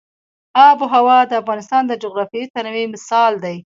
آب وهوا د افغانستان د جغرافیوي تنوع مثال دی.